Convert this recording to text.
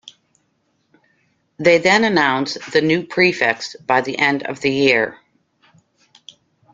They then announce the new Prefects by the end of the year.